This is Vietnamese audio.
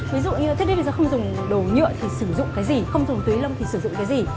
ví dụ như thế đây bây giờ không dùng đồ nhựa thì sử dụng cái gì không dùng túi nilon thì sử dụng cái gì